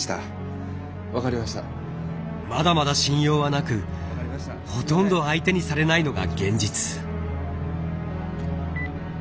まだまだ信用はなくほとんど相手にされないのが現実。